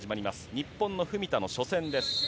日本の文田の初戦です。